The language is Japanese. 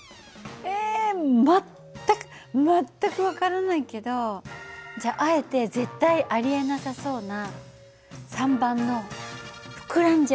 え全く全く分からないけどじゃああえて絶対ありえなさそうな３番の膨らんじゃう。